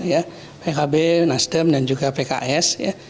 ya pkb nasdem dan juga pks